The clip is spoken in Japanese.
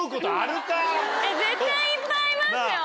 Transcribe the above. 絶対いっぱいいますよ。